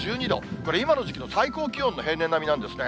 これ、今の時期の最高気温の平年並みなんですね。